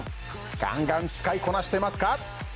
ガンガン使いこなしてますか？